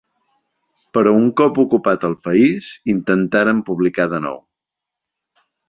Però un cop ocupat el país, intentaren publicar de nou.